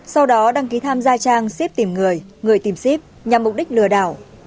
sau đó đăng ký tham gia trang ship tìm người người tìm xếp nhằm mục đích lừa đảo